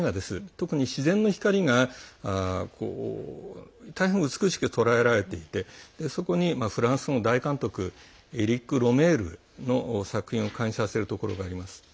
特に自然の光が大変美しく捉えられていてそこにフランスの大監督エリック・ロメールの作品を感じさせるところがあります。